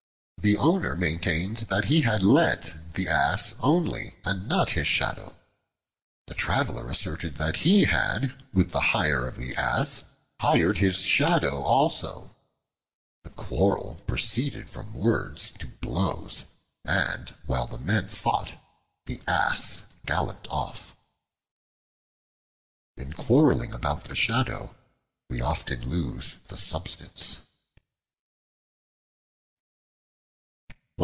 The owner maintained that he had let the Ass only, and not his Shadow. The Traveler asserted that he had, with the hire of the Ass, hired his Shadow also. The quarrel proceeded from words to blows, and while the men fought, the Ass galloped off. In quarreling about the shadow we often lose the substance.